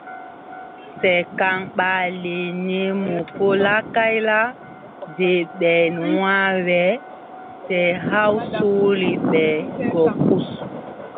Se kaŋ ɓaale ne mapo la ne kay la, jee ɓɛn wãã we, se haw soole ɓe gɔ krus.